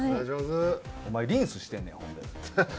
お前リンスしてんねやほんで。